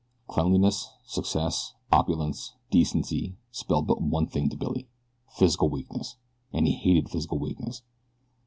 Cleanliness, success, opulence, decency, spelled but one thing to Billy physical weakness; and he hated physical weakness.